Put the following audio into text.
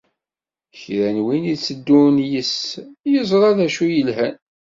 Kra n win itteddun yis-s, iẓra d acu i yelhan.